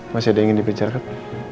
masih ada yang ingin di pecahkan